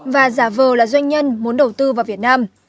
và giả vờ là doanh nhân muốn đầu tư vào việt nam